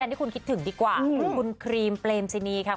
แสดงที่คุณคิดถึงดีกว่าคุณครีมเพลมซีนีค่ะ